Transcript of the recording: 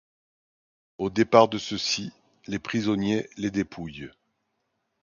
Au départ de ceux-ci, les prisonniers les dépouillent.